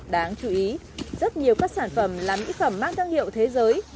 đáng chú ý rất nhiều các sản phẩm là mỹ phẩm mang tăng hiệu thế giới